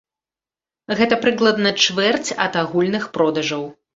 Гэта прыкладна чвэрць ад агульных продажаў.